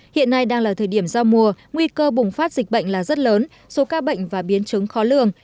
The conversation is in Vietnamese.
hiện nay đang là thời điểm giao mùa nguy cơ bùng phát dịch bệnh là rất lớn số ca bệnh và biến chứng khó lường